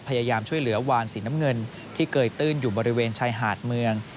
พยายามช่วยเหลือวานสีน้ำเงินที่เกยตื้นอยู่บริเวณชายหาดเมือง